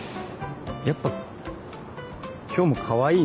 やっぱ今日もかわいいな。